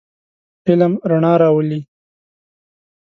علم رڼا راولئ.